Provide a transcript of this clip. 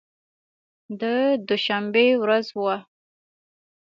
د دوشنبې ورځ وه.